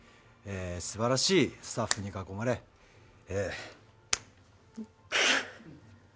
すばらしいスタッフに囲まれえくっ。